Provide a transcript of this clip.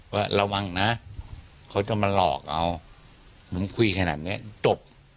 ว่าระวังนะเขาจะมาหลอกเอาผมคุยขนาดเนี้ยจบ